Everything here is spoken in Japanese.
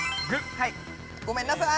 はいごめんなさい。